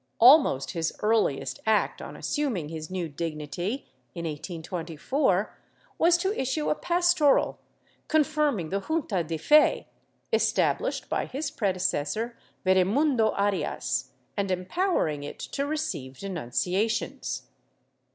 Almost his earliest act on assuming his new dignity, in 1824, was to issue a pastoral confirming the junta de fe, established by his predecessor Veremundo Arias, and empowering it to receive denunciations.